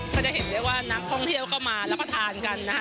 ก็จะเห็นได้ว่านักท่องเที่ยวเข้ามารับประทานกันนะคะ